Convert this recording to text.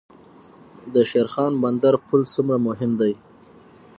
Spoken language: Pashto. د شیرخان بندر پل څومره مهم دی؟